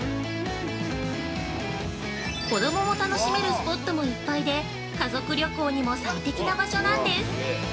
子供も楽しめるスポットもいっぱいで家族旅行にも最適な場所なんです。